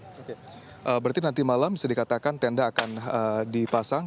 oke berarti nanti malam bisa dikatakan tenda akan dipasang